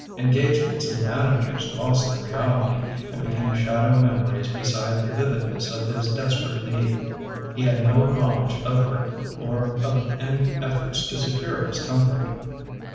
Engagements and managers lost their reality, and became shadow memories beside the vividness of his desperate need. He had no knowledge of her, or of any efforts to secure his comfort.